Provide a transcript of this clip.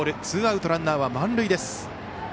ツーアウト、ランナー満塁です。